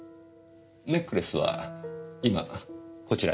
ネックレスは今こちらに？